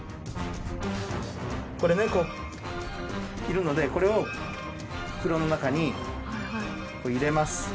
これねこういるのでこれを袋の中に入れます。